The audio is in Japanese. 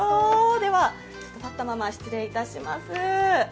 では立ったまま失礼いたします。